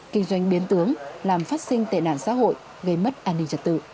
kinh doanh biến tướng làm phát sinh tệ nạn xã hội gây mất an ninh trật tự